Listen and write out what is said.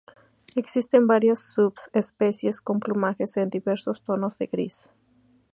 Existen varias subespecies con plumajes en diversos tonos de gris.